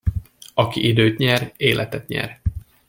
Aki időt nyer, életet nyer.